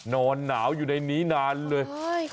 นอนหนาวอยู่ในนี้นานเลย